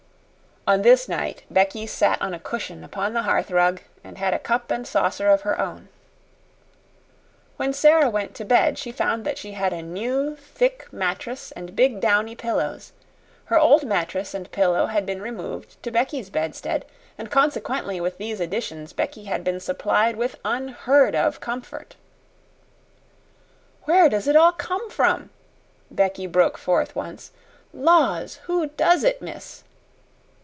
On this night Becky sat on a cushion upon the hearth rug and had a cup and saucer of her own. When Sara went to bed she found that she had a new thick mattress and big downy pillows. Her old mattress and pillow had been removed to Becky's bedstead, and, consequently, with these additions Becky had been supplied with unheard of comfort. "Where does it all come from?" Becky broke forth once. "Laws, who does it, miss?"